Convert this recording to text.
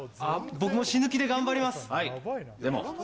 「あっ僕も死ぬ気で頑張ります」